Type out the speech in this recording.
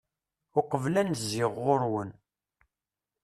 uqbel ad n-zziɣ ɣur-wen